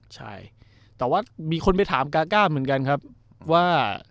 ใช้แต่ว่ามีคนไปถามกากดีกว่า